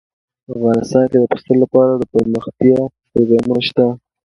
افغانستان کې د پسه لپاره دپرمختیا پروګرامونه شته.